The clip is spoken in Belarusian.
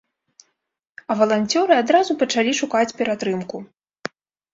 А валанцёры адразу пачалі шукаць ператрымку.